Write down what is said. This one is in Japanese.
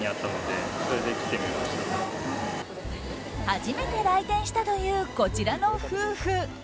初めて来店したというこちらの夫婦。